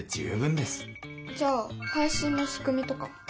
じゃあ配信のしくみとか？